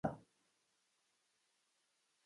نجلۍ له ماشومانو سره مهربانه ده.